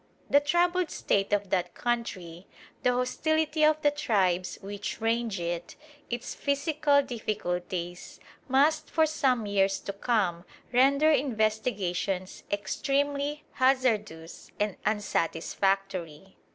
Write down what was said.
The troubled state of that country, the hostility of the tribes which range it, its physical difficulties, must for some years to come render investigations extremely hazardous and unsatisfactory.